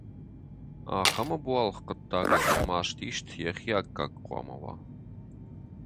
Ахӕм ӕбуалгъ хъуыддагӕн йӕ мастист йӕхи аккаг хъуамӕ уа!